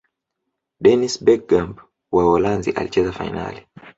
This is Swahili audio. dennis berkgamp wa uholanzi alicheza fainali